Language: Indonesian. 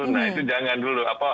nah itu jangan dulu